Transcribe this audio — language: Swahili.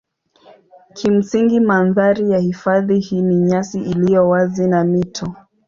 Kimsingi mandhari ya hifadhi hii ni nyasi iliyo wazi na mito.